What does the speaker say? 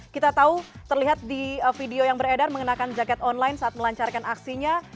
kita tahu terlihat di video yang beredar mengenakan jaket online saat melancarkan aksinya